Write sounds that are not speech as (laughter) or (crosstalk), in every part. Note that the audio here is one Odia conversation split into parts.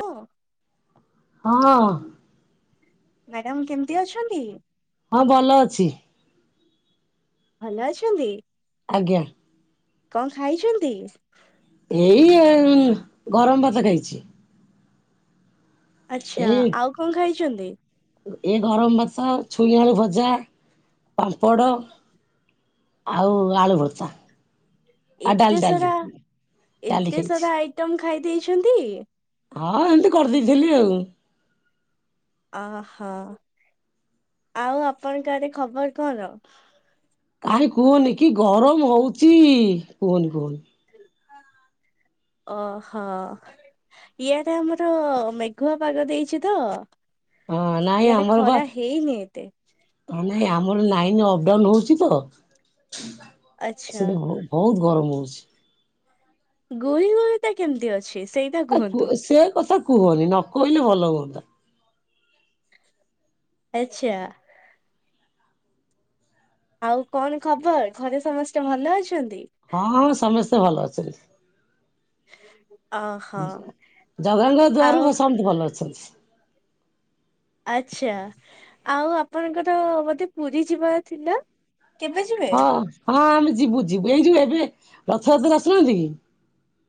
ହାଲୋ। ହଁ ମ୍ୟାଡ଼ାମ କେମିତି ଅଛନ୍ତି? ହଁ ଭଲ ଅଛି। ଭଲ ଅଛନ୍ତି। ଆଜ୍ଞା। କଣ ଖାଇଛନ୍ତି? ଏଇ ଇ-ଅମ-ଗରମ ଭାତ ଖାଇଛି। ଆଛା ଏଇ ଆଉ କଣ ଖାଇଛନ୍ତି। ଏ ଗରମ ଭାତ ଛୁଇଁ ଆଳୁ ଭଜା ପାମ୍ପଡ଼ ଆଉ ଆଳୁ ଭର୍ତା। ଏତେ ସାରା ଡାଲି ଏତେ ଖାଇଛି। ସାରା ଆଇଟମ ଖାଇ ଦେଇଛନ୍ତି। ହଁ ଏମିତି କରିଦେଇଥିଲି ଆଉ। ଓହୋ ଆଉ ଆପଣଙ୍କ ଆଡ଼େ ଖବର କଣ? କାହିଁ କୁହନି କି ଗରମ ହଉଚି କୁହନି କୁହନି ଓହୋ ଇଆଡେ ଆମର ମେଘୁଆ ପାଗ ଦେଇଛି ତ ହଁ ନାଇଁ ଇଆଡେ ଆମର ବା ଖରା ହେଇନି ଏତେ ନାଇଁ ଆମର ନାଇନ୍ ଅପଡାଉନ୍ ହଉଛି ତ ଆଚ୍ଛା ସେଟା ହ ବହୁତ ଗରମ ହଉଛି। ବଞ୍ଚ (inaudible) ଗୁଳି ଗୁଳି ତା କେମିତି ଅଛି? ସେଇଟା ଆ କୁ କୁହନ୍ତୁ? ସେ କଥା କୁହନି ନ କହିଲେ ଭଲ ହୁଅନ୍ତା। ଆଚ୍ଛା। ଆଉ କଣ ଖବର ଘରେ ସମସ୍ତେ ଭଲ ଅଛ ହଁ ହଁ ସମସ୍ତେ ଭଲ ଅଛ? ଛନ୍ତି। ହ। ଜ -ଜଗଙ୍ଗ ଆଉ ଦୁଆରୁ ସମତେ ଭଲ ଅଛନ୍ତି। ଆଚ୍ଛା ଆଉ ଆପଣଙ୍କର ବୋଧେ ପୁରୀ ଯିବାର ଥିଲା। କେବେ ଯିବେ? ହଁ ହଁ ଆମେ ଯିବୁ ଯିବୁ ଏଇ ଯୋଉ ଏବେ ରଥଯାତ୍ରା ଆସୁନାହାଁନ୍ତି କି?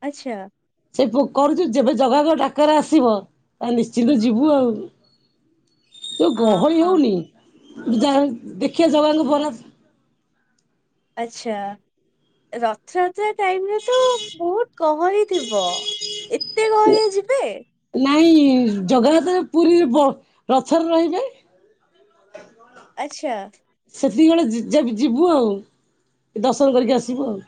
ଆଛା। ସେ କରୁଛୁ ଯେବେ ଜଗାକ ଡାକରା ଆସିବ ତା ନିଶ୍ଚିନ୍ତ ଯିବୁ ଆଉ ଯଉ ଗହଳି ଓହୋ। ହଉନି ଯାହା ଦେଖିବା ଜଗାଙ୍କ ବରାଦ ଆଛା ରଥଯାତ୍ରା ଟାଇମରେ ତ ବହୁତ ଗହଳି ଥିବ ଏତେ ଗହଳି ରେ ଯିବେ ନାଇଁ ଜଗନ୍ନାଥ ପୁରୀରେ ରଥରେ ରହିବେ ଆଚ୍ଛା। ସେତିକି ବେଳେ ଯିବୁ ଆଉ ଦର୍ଶନ କରିକି ଆସିବୁ ଆଉ।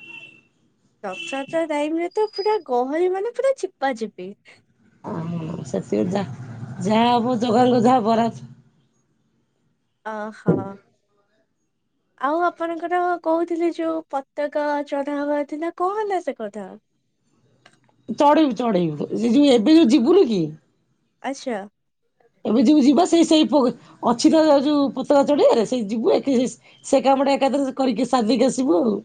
ରଥଯାତ୍ରା ଟାଇମ ରେ ତ ପୁରା ଗହଳି ମାନେ ପୁରା ଚିପା ଚିପି ଓ ସେତିକି ଯା ଯାହା ହବ ଜଗାଙ୍କ ଯାହା ବରାଦ ଓହୋ ଆଉ ଆପଣଙ୍କର କହୁଥିଲି ଯୋଉ ପତାକା ଚଢା ହବାରଥିଲା କଣ ହେଲା ସେ କଥା ଚଢେଇବୁ ଚଢେଇବୁ ସେ ଯୋଉ ଏବେ ଯୋଉ ଯିବୁନୁ କି? ଆଛ। ଏବେ ଯୋଉ ଯିବା ସେଇ ସେଇ ଫୋ ଅଛି ତ ଯଉ ଯୋଉ ପତାକା ଯୁଡେ ସେଇ ଯିବୁ ଏକ ସେ କାମଟା ଏକାଥରେ କରିକି ସାରିଦେଇକି ଆସିବୁ ଆଉ।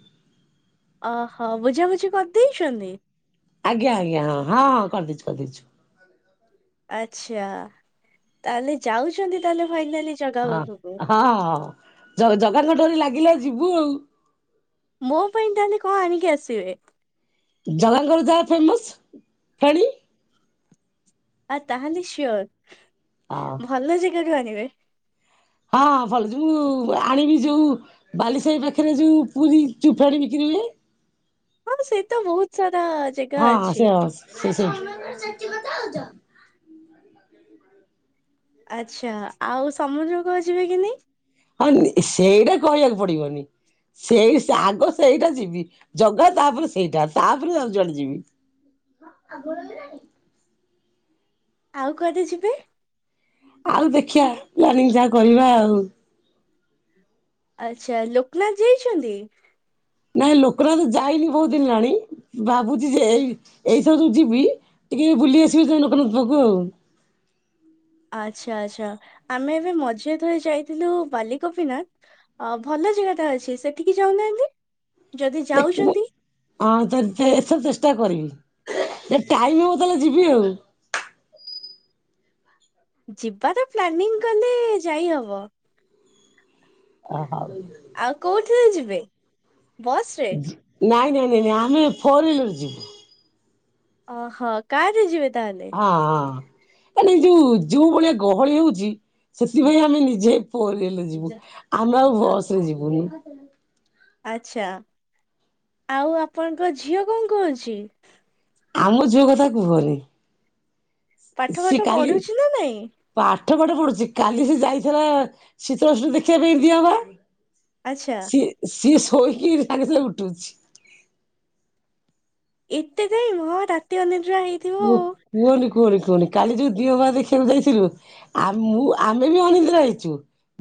ଓହୋ ବୁଝାବୁଝି କରିଦେଇଛନ୍ତି। ଆଜ୍ଞା ଆଜ୍ଞା ହଁ ହଁ ହଁ କରିଦେଇଛୁ କରିଦେଇଛୁ। ଆଛା ତାହେଲେ ଯାଉଛନ୍ତି ତାହେଲେ ଫାଇନାଲି ଜଗା ଅ ପାଖକୁ। ହଁ ହଁ। ଜଗା ଙ୍କ ଡୋରି ଲାଗିଲେ ଯିବୁ ଆଉ। ମୋ ପାଇଁ ତାହେଲେ କଣ ଆଣିକି ଆସିବେ? ଜଗାଙ୍କର ଯାହା ଫେମସ ଫେଣୀ ଆ ତାହେଲେ ସିୟୋର୍ ହଁ ଭଲ ଯେ ସେଠୁ ଆଣିବେ। ହଁ ଭଲ ଯୋଉ ଆଣିବି ଯୋଉ ବାଲିସାହି ପାଖରେ ଯୋଉ ପୁରୀ ଚୁପାଡି ବିକ୍ରି ହୁଏ। ହଁ ସେ ତ ବହୁତ ସାରା ଜାଗା ହଁ ଅଛି। ସେୟ ସେ ସେଇଠି ତମେ କଣ ସେଠି କଥା ହଉଚ। ଆଛା ଆଉ ସମୁଦ୍ରକୁ ଯିବେ କି ନାହିଁ? ହଁ ସେଇଟା କହିବାକୁ ପଡିବନି ସେଇ ଆଗ ସେଇଟା ଯିବି ଜଗା ତାପରେ ସେଇଟା ତାପରେ ଆଉ ଯୁଆଡେ ଯିବି। ଆଉ କୁଆଡେ ଯିବେ ଆଉ ଦେଖିବା ପ୍ଲାନିଂ ଯାହା କରିବା ଆଉ। ଆଚ୍ଛା ଲୋକନାଥ ଯାଇଛନ୍ତି। ନାଇଁ ଲୋକନାଥ ଯାଇନୁ ବହୁତ ଦିନ ହେଲାଣି ଭାବୁଛି ଯେ ଏଇ ଏଇଯୋଉ ଯିବି ଟିକେ ବୁଲି ଆସିବି ଲୋକନାଥ ପାଖକୁ ଆଉ। ଆଚ୍ଛା ଆଚ୍ଛା ଆମେ ଏବେ ମଝିରେ ଥରେ ଯାଇଥିଲୁ ବାଲିଗୋପିନାଥ ଭଲ ଜାଗାଟା ଅଛି ସେଠିକି ଯାଉନାହାନ୍ତି। ଯଦି ଦେଖିବୁ ଯାଉଛନ୍ତି। ହଁ ଏଥଏ ଚେଷ୍ଟା କରିବି ଯଦି ଟାଇମ ହବ ତାହେଲେ ଯିବି ଆଉ ଯିବା ତ ପ୍ଲାନିଂ କଲେ ଯାଇ ହବ। (unintelligible) ଆଉ କୋଉଠିରେ ଅଛୁ? ବେ ବସରେ ନାଇଁ ନାଇଁ ନାଇଁ ଆମେ ଫୋର୍ ହ୍ୱିଲର ରେ ଯିବୁ। ଓ ହୋ କାର ରେ ଯିବେ। ତାହେଲେ? ହଁ ହଁ। ଆ ନ ଯୋଉ ଯୋଉ ଭଳିଆ ଗହଳି ହଉଛି ସେଥିପାଇଁ ଆମେ ନିଜେ। ଫୋର୍ ହ୍ୱିଲରରେ ଯିବୁ ଆମେ ଆଉ ବସରେ ଯିବୁନି ଆଛା ଆଉ ଆପଣଙ୍କ ଝିଅ କଣ କହୁଛି? ଆମ ଝିଅ କଥା କୁହନି। ପାଠ ସିଏ ପାଠ କାଲି ପଢୁଛି ନା ନାଇଁ। ପାଠ ପାଠ ପଢ଼ୁଛି କାଲି ସେ ଯାଇଥିଲା। ଶୀତଷଷ୍ଠୀ ଦେଖିବା ପାଇଁ। ଅମର ଆଚ୍ଛା ସିଏ ସିଏ ଶୋଇକି ସାଙ୍ଗେ ସାଙ୍ଗେ ଉଠୁଛି। ଏତେ ଯାଇ ହ ରାତି ଅନିଦ୍ରା। ହେଇଥିବ ଓ ଆଉ। କୁହନି କୁହନି କୁହନି। କାଲି ଯୋଉ ଦିହ ବା ଦେଖିବାକୁ ଯାଇଥିଲୁ ଆମେ ବି ଅନିନ୍ଦ୍ରା ହେଇଛୁ।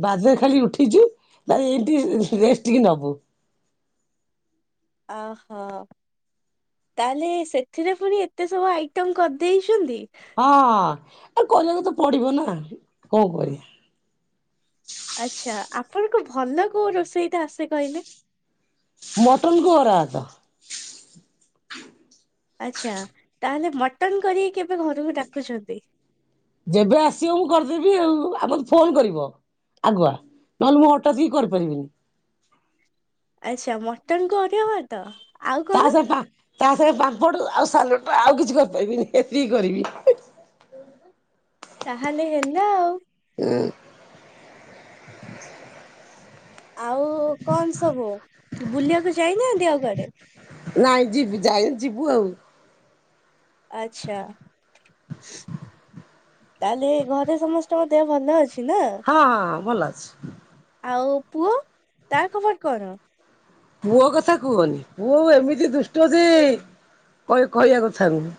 ବାଜରେ ଖାଲି ଉଠିଛୁ ନ ରେସ ଉଠିକି ନବୁ। ଓ ହୋ ତାହେଲେ ସେଥିରେ ପୁଣି ଏତେ ସବୁ ଆଇଟମ କରିଦେଇଛନ୍ତି। ହଁ ହଁ ଆ କରିବାକୁ ତ ପଡିବ ନା କଣ କରିବା? ଆଚ୍ଛା ଆପଣଙ୍କୁ ଭଲ କୋଉ ରୋଷେଇଟ ଆସେ କହିଲେ। ମଟନ କୁ ଅରୁଆ ଭାତ। ଆଛା ତାହେଲେ ମଟନ କରି ଯେବେ ଆସିବ ମୁଁ କରିଦେବି ଆଉ। ଆମଙ୍କୁ ଫୋନ କରିବ ଆଗୁଆ ନ ହେଲେ ମୁଁ ହଠାତ୍ ହି କରିପାରିବିନି। (unintelligible) ଆଚ୍ଛା ମଟନ ଘରେ ହବ ତ ତା ସାଙ୍ଗେ ପା ତା ସହିତ ପାମ୍ପଡ଼ ଆଉ ସାଲଡ ଆଉ କିଛି କରିପାରିବିନି ଏତିକି କରିବି। ତାହେଲେ ହେଲା ଆଉ। ହୁ। ଆଉ-ଉ-ଉ କଣ ସବୁ ବୁଲିବାକୁ ଯାଇ ନାହାନ୍ତି ଆଉ କୁଆଡେ? ନାଇଁ ଯିବି ଯାଇନି ଯିବୁ ଆଉ। ଆଛା ତାହେଲେ ଘରେ ସମସ୍ତଙ୍କ ଦେହ ଭଲ ଅଛି? ନା? ହଁ ହଁ ହଁ ଭଲ ଅଛି। ଆଉ ପୁଅ ତା ଖବର କଣ? ପୁଅ କଥା କୁହନି। ପୁଅ ଏମିତି ଦୁଷ୍ଟ ଯେ-ଏ-ଏ କଇ କହିବା କଥା ନୁହେଁ।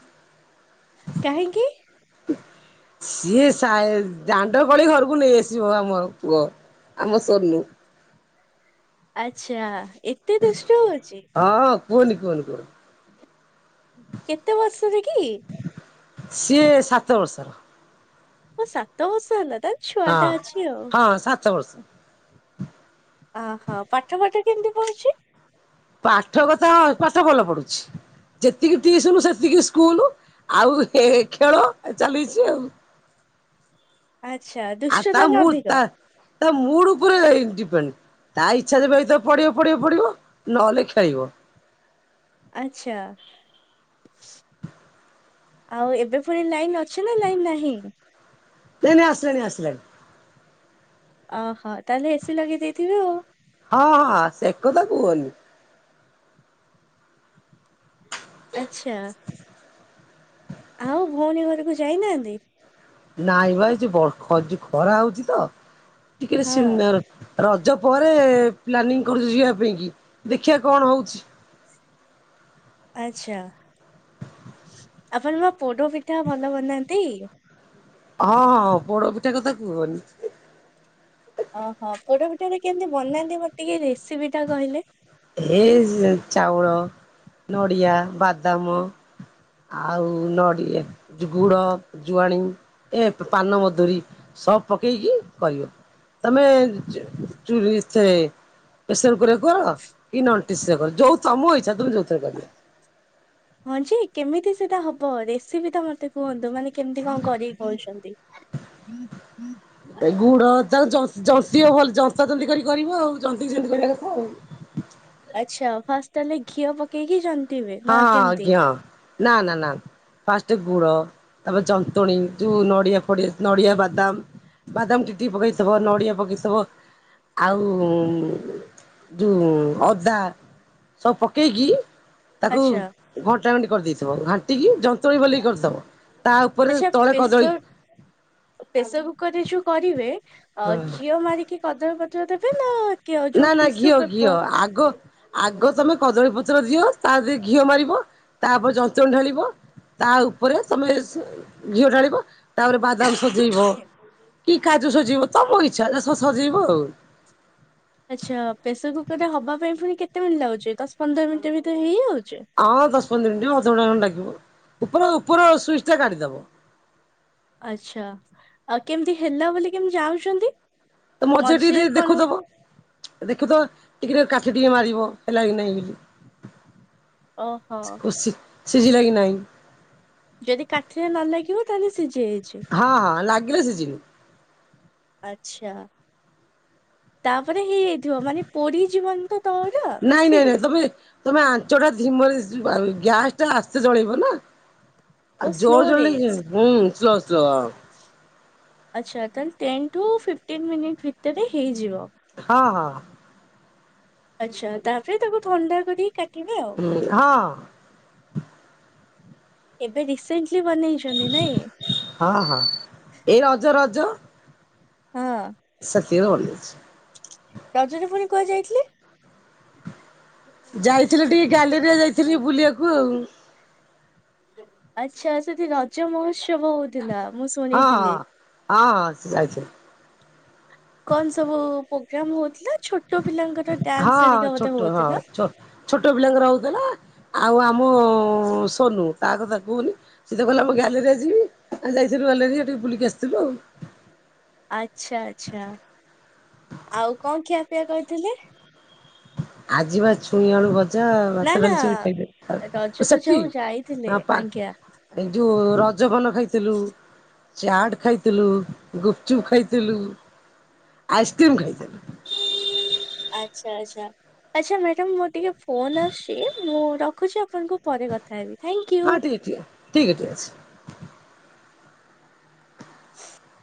କାହିଁକି? ସିଏ ସାଇ ଦାଣ୍ଡ କଳି ଘରକୁ ନେଇ ଆସିବ ଆମ ପୁଅ ଆମ ସୋନୁ। ଆଛା। ଏତେ ଦୁଷ୍ଟ ହଉଛି। କୁଅନି କୁହନି କୁଅନି। କେତେ ବର୍ଷରେ କି? ସିଏ ସାତ ବର୍ଷର। ଓ ସାତ ବର୍ଷ ହେଲା ତାଏଲ ଛୁଆ ହଁ ଟା ଅଛି ଆଉ। ହଁ ସାତ ବର୍ଷ ଓହୋ ପାଠ ଫାଠ କେମିତି ପଡୁଛି? ପାଠ କଥା ଆଁ ପାଠ ଭଲ ପଢୁଛି। ଯେତିକି ଟିସୁନ ସେତିକି ସ୍କୁଲ ଆଉ ହେ ଖେଳ ଚାଲେଇଚି ଆଉ। ଆଚ୍ଛା ଆଉ ଦୁଷ୍ଟ ତା ତାହେଲେ ମୁଁ ଅଧିକ? ତା ତା ମୁଡ ଉପରେ-ଏ-ଏ ଡିପେଣ୍ଡ। ତା ଇଚ୍ଛା ଯେବେ ହେଇଥିବା ପଢିବ ପଢିବ ପଢିବ ନହେଲେ ଖେଳିବ। ଆଛା ଆଉ ଏବେ ପୁଣି ଲାଇନ ଅ ଅଛି ନା ଲାଇନ ନାହିଁ? ଏଇନେ ଆସିଲାଣି ଆସିଲାଣିି। ଆ ହା ତାହେଲେ ଏ ସି ଲଗେଇ ଦେଇଥିବ ଆଉ। କୁଅନି। ଆଚ୍ଛା। ଆଉ ଭଉଣୀ ଘରକୁ ଯାଇନାହାନ୍ତି? ନାଇଁ ବା ଏଇ ଯୋ ବ ଖ ଯୋଉ ଖରା ହଉଛି ତ ଟିକେଟ ହଁ ସିମନାର ରଜ ପରେ-ଏ-ଏ ପ୍ଲାନିଂ କରୁଛୁ ଯିଆ ପାଇଁ କି। ଦେଖିବା କଣ ହଉଛି। ଆଚ୍ଛା ଆପଣ ବା ପୋଡ ପିଠା ଭଲ ବନାନ୍ତି। ହଁ ହଁ ପୋଡ ପିଠା କଥା କୁହନି। ଓହୋ ପୋଡ ପିଠା ଟା କେମିତି ବନାନ୍ତି ମତେ ଟିକେ ରେସ ଏ ହି ସେ ଚାଉଳ ନଡ଼ିଆ, ବାଦାମ ଆଉ ନଡ଼ି ଯୋ ଗୁଡ଼, ଜୁଆଣି ଏ ପା ପାନମଧୁରୀ ସବ ପକେଇକି କରିବେ। ତମେ ଚୁ ଚୁଲି ଏଥରେ ପ୍ରେସର କୁକର ରେ କର? ଇ ନଟିସଏବୋଲ ଯୋଉ ତୋମ ଇଚ୍ଛା ତୋମେ ଯୋଉଥିରେ କରିବ। ହଁ ଯେ କେମିତି ସେଟା ହବ ରେସିପି ଟା ମୋତେ କୁହନ୍ତୁ ମାନେ କେମିତି କଣ କରିକି କହୁଛନ୍ତି? ଗୁଡ ତାକୁ ଜନ୍ତିବ ଭଲ୍ ଜନ୍ତା ଜନ୍ତି କରି କରିବ, ଆଉ ଜନ୍ତିକି ଯେମିତି କରିବା କଥା ଆଉ। ଆଚ୍ଛା ଫାଷ୍ଟ ତାହାଲେ ଘିଅ ପକେଇକି ଯନ୍ ହଁ ଆଜ୍ଞା ନା ନା ନା ଫାଷ୍ଟ୍ ଗୁଡ଼ ତାପରେ ଯନ୍ତୁଣୀ ଯୋଉ ନଡ଼ିଆ ଫଡ଼ିଆ ନଡ଼ିଆ ବାଦାମ ବାଦାମ ଟିକ୍ ଟିକ୍ ପକେଇଥବ ନଡ଼ିଆ ପକେଇଥବ ଆଉ ଉଁ ଯୋଉ ଅଦା ସବ ପକେଇକି ତାକୁ ଆଚ୍ଛା ଘଣ୍ଟା ଘଣ୍ଟି କରିଦେଇଥିବ ଘାଣ୍ଟିିକି ଯନ୍ତୁଣୀ ଭଲିକି କରି ଦବ ଆଚ୍ଛା ପ୍ରେସର୍ ପ୍ରେସର୍ କୁକର୍ ରେ ଯୋଉ କରିବେ ଅ, ହଁ ଘିଅ ମାରିକି କଦଳୀ ପ ନା ନା ଘିଅ ଘିଅ ପେପର ଆଗ ଆଗ ତୋମେ କଦଳୀ ପ ତ୍ର ଦିଅ ତା ଧିଅରେ ଘିଅ ମାରିବ, ତାପରେ ଜନ୍ତୁଣି ଢାଳିବ, ତା ଉପରେ ତୋମେ ସେ-ଘିଅ ଢାଳିବ, ତାପରେ ବାଦାମ ସଜେଇବ କି କାଜୁ ସଜେଇବ ତୋମ ଇଚ୍ଛା ସ ସଜେଇବ ଆଉ। ଆଚ୍ଛା ପ୍ରେସର୍ କୁକର୍ ରେ ହବା ପାଇଁ ପୁଣି କେତେ ମିନିଟ୍ ଲାଗୁଛି ଦଶ ପନ୍ଦର ମିନିଟ୍ ଭିତରେ ହେଇଯାଉ ହଁ ଦଶ ପନ୍ଦର ମିନିଟ୍ ଅଧ ଘଣ୍ଟା ଖଣ୍ଡେ ଲାଗି (unintelligible) ଉପର ଉପର ସୁଇଚ ଟା କାଢି ଦବ। ଆଚ୍ଛା ଆଉ କେମିତି ହେଲା ବୋଲି କେମିତି ଜାଣୁଛନ୍ତି? ତ ମଝିରେ ଟିକେ ଟିକେ ଦେଖୁଥବ, ଏ ଦେଖୁଥବ ଟିକେ ଟିକେ କା ଠି ମାରିବ ହେଲାକି ନାଇଁ ଓହୋ। ସିଝିଲାକି ନାଇଁ। ଯଦି କାଠି ରେ ନ ଲାଗିବ ତାହେଲେ ସିଝି ଯାଇଛି। ହଁ ହଁ ଲାଗିଲେ ସିଝିନି ଆଚ୍ଛା ତାପରେ ହେଇଯାଇଥିବ ମାନେ ପୋଡ଼ି ଜୀବନି ନାଇଁ ନାଇଁ ନାଇଁ ତୋମେ ତୋମେ ଆଞ୍ଚଟା ଧିମ ଯେସି ପାରି ଗ୍ୟାସ୍ ଟା ଆସ୍ତେ ଜଳେଇବ ନା। ଓ ଆଉ ସ୍ଲୋ ଜୋର ରେ। ଜଳିଲେ କିମ ହୁଁ ସସ୍ ତଅ ଆଚ୍ଛା ତାହେଲେ ଟେନ୍ ଠୁ ଫିଫ୍ଟିନ୍ ମିନିଟ୍ ଭିତରେ ହେଇଯିବ। ହଁ ହଁ। ଆଚ୍ଛା ତା ପରେ ତାକୁ ଥଣ୍ଡା କରିକି କା ହୁଁ, ହଁ। ଏବେ ରିସେଣ୍ଟ ହଁ ହଁ। ଏଇ ରଜ ରଜ ହଁ। (unintelligible) ରଜରେ ପୁଣି କୁଆଡେ ଯାଇଥିଲେ। ଯାଇଥିଲି ଟିକେ ଗାଲେରିଆ ଯାଇଥିଲି ବୁଲିବାକୁ ଆଉ। ଆଚ୍ଛା ସେଠି ରଜମହୋଶ୍ ହଁ ହଁ ହଁ ହଁ ସେ ଯାଇଚି। କଣ ସବୁ ପୋଗ୍ରାମ ହଉଥିଲା। ଛୋଟ ପିଲାଙ୍କର ଡ୍ୟାନ୍ସ ହଁ ହେରିକା ବୋଧେ ଛୋଟ ହଁ ହଉଥିଲା ଛୋ ଛୋଟ ପିଲାଙ୍କର ହଉଥିଲା। ଆଉ ଆମ ସୋନୁ ତା କଥା କୁହନି ସିଏ ତ କହିଲା ଆମ ଗ୍ୟାଲେରୀରେ ଯିବି ଯାଇଥିଲୁ ଗ୍ୟାଲେରୀ ଆଡ଼େ ଟିକେ ବୁଲିକି ଆସିଥିଲୁ ଆଉ। ଆଚ୍ଛା ଆଚ୍ଛା ଆଉ କଣ ଖିଆପିଆ କରିଥିଲେ। ଆଜିିବା ଛୁଇଁ ଆଳୁ ଭ ଭଜା ନା ଭାତ ନା ଡାଲି ସବୁ ଖାଇଲେ ଓ ରଜକୁ ସେଠି ଯୋଉ ଯାଇଥିଲେ ଆଜ୍ଞା (inaudible) ଏ ଯୋଉ ରଜ ପାନ ଖାଇଥିଲୁ। ଚାଟ ଖାଇଥିଲୁ ଗୁପଚୁପ ଖାଇଥିଲୁ ଆଇସ୍କ୍ରିମ ଖାଇଥିଲୁ। ଆଚ୍ଛା ଆଚ୍ଛା ଆଛା ମ୍ୟାଡାମ ମୋର ଟିକେ ଫୋନ ଆସୁଛି ମୁଁ ରଖୁଛି ଆପଣଙ୍କୁ ପରେ କଥା ହେବି। ଥ୍ୟାଙ୍କ ହଁ ୟୁ। ଠିକ ଠିକ ଠିକ ଅଛି। (inaudible)